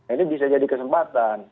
ini bisa jadi kesempatan